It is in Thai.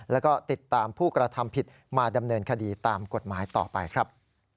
แล้วก็ติดตามผู้กระทำผิดมาดำเนินคดีตามกฎหมายต่อไปครับ